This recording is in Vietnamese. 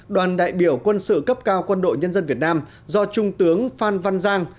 đoàn đại biểu quân sự cấp cao quân đội nhân dân việt nam do trung tướng phan văn giang